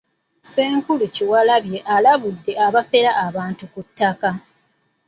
Ssenkulu Kyewalabye alabudde abafera abantu ku ttaka.